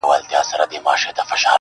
شور به ګډ په شالمار سي د زلمیو؛